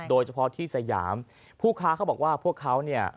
โดยเฉพาะที่สยามผู้ค้าเขาบอกว่าพวกเขาเนี่ย